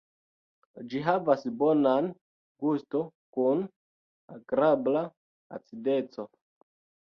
Ĝi havas bonan gusto kun agrabla acideco.